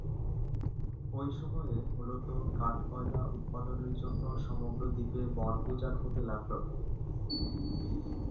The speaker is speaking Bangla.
ওই সময়ে মূলত কাঠ-কয়লা উৎপাদনের জন্য সমগ্র দ্বীপে বন-উজাড় হতে লাগল।